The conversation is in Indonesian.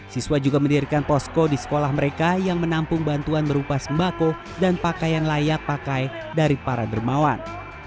siswa juga mendirikan posko di sekolah mereka yang menampung bantuan berupa sembako dan pakaian layak pakai dari para dermawan